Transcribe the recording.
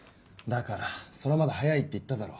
だからそれはまだ早いって言っただろ。